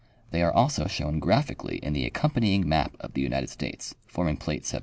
They are also shown graphically in the accompanying map of the United States forming plate 17.